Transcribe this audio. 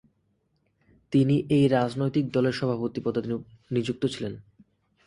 তিনি এই রাজনৈতিক দলের সভাপতি পদে নিযুক্ত ছিলেন।